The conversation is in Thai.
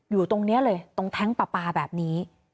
อยู่ตรงนี้เลยตรงแท้งปลาปลาแบบนี้